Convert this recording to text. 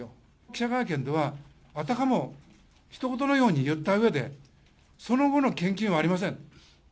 記者会見では、あたかもひと事のように言ったうえで、その後の献金はありません。